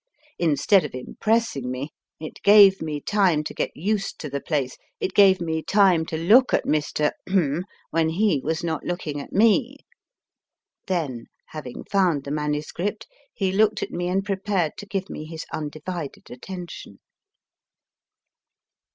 Instead of impressing me, it gave me time to get used to the place, it gave me time to look at Mr. when he was not looking at me. Then, having found the MS., he looked at me and prepared to give me his undivided attention.